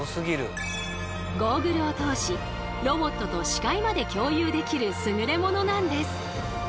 ゴーグルを通しロボットと視界まで共有できる優れ物なんです。